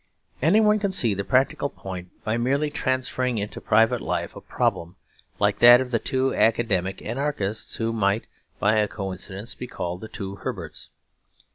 Any one can see the practical point by merely transferring into private life a problem like that of the two academic anarchists, who might by a coincidence be called the two Herberts.